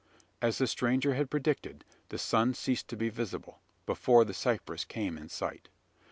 As the stranger had predicted: the sun ceased to be visible, before the cypress came in sight.